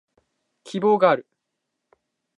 希望がある